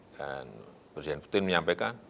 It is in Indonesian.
dan presiden putin menyampaikan